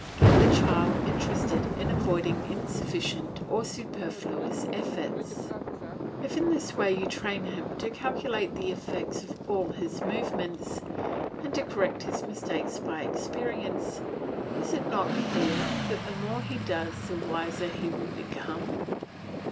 Get the child interested in avoiding insufficient or superfluous efforts. If in this way you train him to calculate the effects of all his movements, and to correct his mistakes by experience, is it not clear that the more he does the wiser he will become?